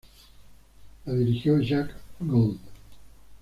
La dirigió Jack Gold.